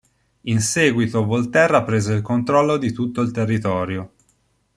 In seguito Volterra prese il controllo di tutto il territorio.